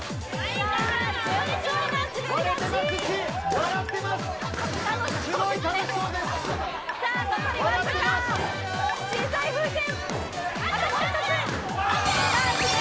笑ってます。